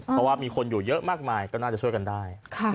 เพราะว่ามีคนอยู่เยอะมากมายก็น่าจะช่วยกันได้